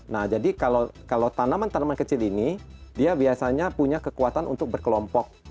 nah jadi kalau tanaman tanaman kecil ini dia biasanya punya kekuatan untuk berkelompok